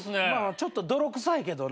ちょっと泥くさいけどな。